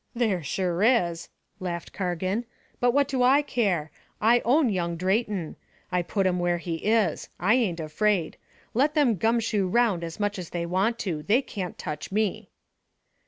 "There sure is," laughed Cargan. "But what do I care? I own young Drayton. I put him where he is. I ain't afraid. Let them gumshoe round as much as they want to. They can't touch me."